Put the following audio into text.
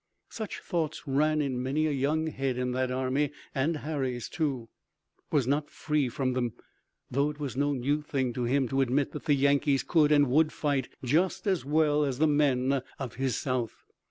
Such thoughts ran in many a young head in that army and Harry's, too, was not free from them, although it was no new thing to him to admit that the Yankees could and would fight just as well as the men of his South.